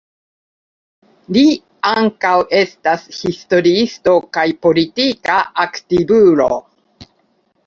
Li ankaŭ estas historiisto kaj politika aktivulo.